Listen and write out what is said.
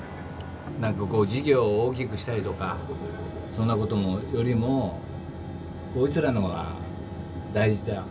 なんかこう事業を大きくしたりとかそんなことよりもこいつらのが大事だよ。